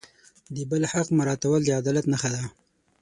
د بل حق مراعتول د عدالت نښه ده.